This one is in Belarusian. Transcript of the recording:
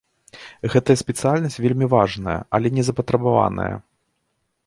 Гэтая спецыяльнасць вельмі важная, але незапатрабаваная.